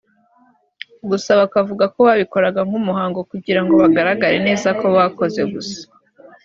gusa bakavuga ko babikoraga nk’umuhango kugira ngo bagaragaze ko bakoze gusa